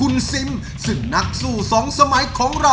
นิดหน่อยนะ